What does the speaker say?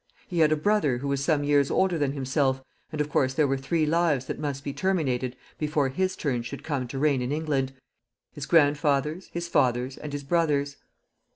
He had a brother who was some years older than himself, and, of course, there were three lives that must be terminated before his turn should come to reign in England his grandfather's, his father's, and his brother's.